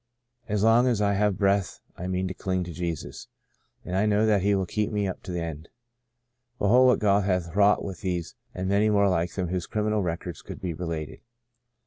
As long as I have breath I mean to cling to Jesus, and I know that He will keep me to the end." Behold what God hath wrought with these and many more like them whose crim inal records could be related